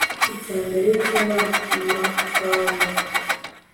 icyambere cy'abamakabe ,